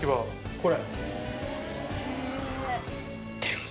これ！